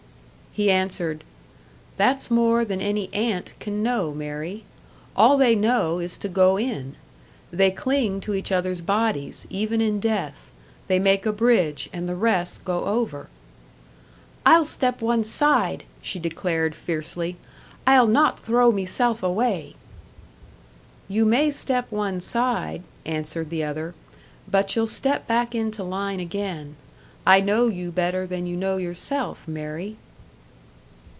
He answered: "That's more than any ant can know. Mary. All they know is to go in. They cling to each other's bodies, even in death; they make a bridge, and the rest go over." "I'll step one side!" she declared, fiercely. "I'll not throw meself away." "You may step one side," answered the other "but you'll step back into line again. I know you better than you know yourself, Mary."